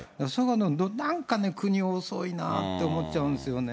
なんかね、国遅いなって思っちゃうんですよね。